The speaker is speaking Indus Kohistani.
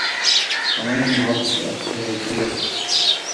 کوَیں نی ہو تُھو چے اس پھېرٹیۡرے۔